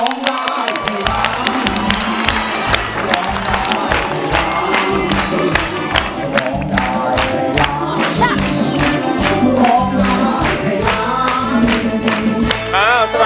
สวัสดีครับ